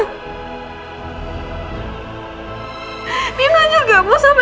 dia bakal nggak puas atau udah ngancurin hidup aku mbak